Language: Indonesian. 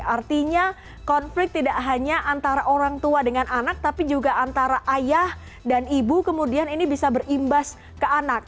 artinya konflik tidak hanya antara orang tua dengan anak tapi juga antara ayah dan ibu kemudian ini bisa berimbas ke anak